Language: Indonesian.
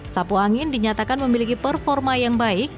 sapu angin dinyatakan memiliki performa yang baik